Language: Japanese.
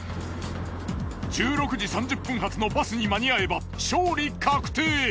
１６時３０分発のバスに間に合えば勝利確定。